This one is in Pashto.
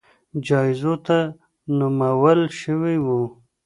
جایزو ته نومول شوي وو